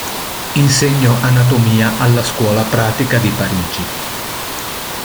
Insegnò anatomia alla Scuola Pratica di Parigi.